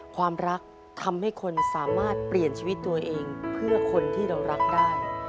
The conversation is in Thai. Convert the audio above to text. ความรักทำให้คนสามารถเปลี่ยนชีวิตตัวเองเพื่อคนที่เรารักได้